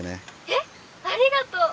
「えっありがとう！」。